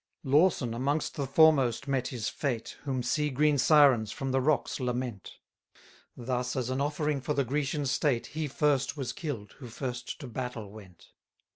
21 Lawson amongst the foremost met his fate, Whom sea green Sirens from the rocks lament; Thus as an offering for the Grecian state, He first was kill'd who first to battle went.